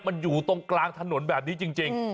มันอยู่ตรงกลางถนนแบบนี้จริง